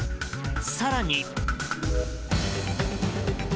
更に。